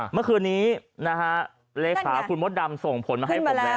เมื่อคืนนี้นะฮะเลขาคุณมดดำส่งผลมาให้ผมแล้ว